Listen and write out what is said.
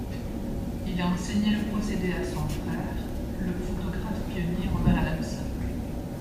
Il a enseigné le procédé à son frère, le photographe pionnier Robert Adamson.